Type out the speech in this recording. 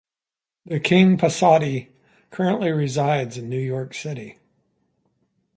The King Pasotti currently resides in New York City.